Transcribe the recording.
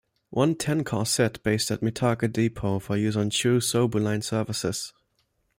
One ten-car set based at Mitaka Depot for use on Chuo-Sobu Line services.